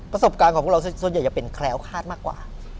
ประสบการณ์ของพวกเราส่วนใหญ่จะเป็นแคล้วคาดมากกว่า